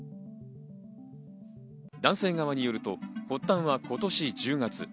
男性側によると発端は今年１０月。